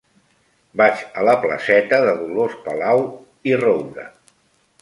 Vaig a la placeta de Dolors Palau i Roura.